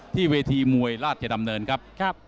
เวทีมวยราชดำเนินครับ